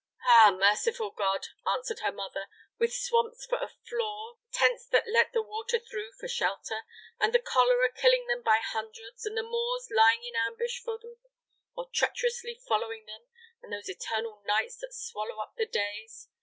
"Ah, merciful God," answered her mother, "with swamps for a floor, tents that let the water through for shelter, and the cholera killing them by hundreds, and the Moors lying in ambush for them or treacherously following them, and those eternal nights that swallow up the days!